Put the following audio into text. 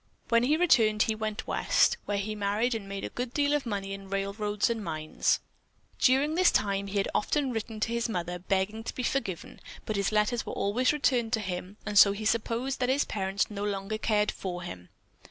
When he returned he went West, where he married and made a good deal of money in railroads and mines. During this time he had often written to his Mother begging to be forgiven, but his letters were always returned to him and so he supposed that his parents no longer cared for him.